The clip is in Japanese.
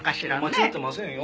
間違ってませんよ。